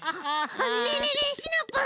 ねえねえねえシナプー。